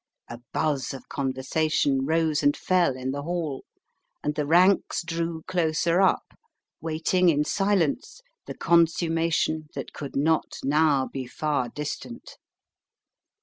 A buzz of conversation rose and fell in the Hall, and the ranks drew closer up, waiting in silence the consummation that could not now be far distant.